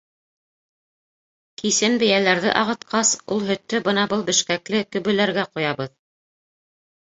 Кисен бейәләрҙе ағытҡас, ул һөттө бына был бешкәкле көбөләргә ҡоябыҙ.